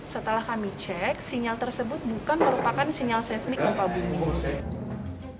setelah kami cek sinyal tersebut bukan merupakan sinyal seismik gempa bumi